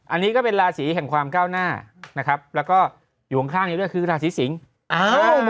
อันนี้ก็เป็นราศีแห่งความก้าวหน้านะครับแล้วก็อยู่ข้างนี้ด้วยคือราศีสิงศ์